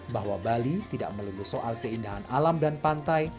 bahwa bali tidak melulu soal keindahan alam dan pantai